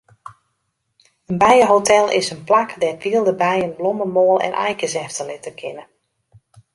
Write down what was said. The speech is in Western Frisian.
In bijehotel is in plak dêr't wylde bijen blommemoal en aaikes efterlitte kinne.